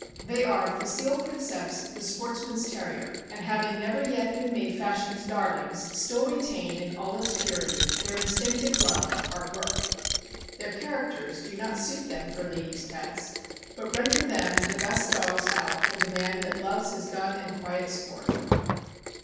They are facile princeps the sportsman 's Terrier; and having never yet been made fashion's darlings, still retain in all its purity their instinctive love of hard work. Their characters do not suit them for ladies' pets, but render them the best dogs out for the man that loves his gun and quiet sport.